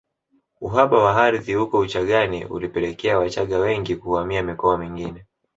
Uhaba wa ardhi huko Uchagani ulipelekea Wachagga wengi kuhamia mikoa mingine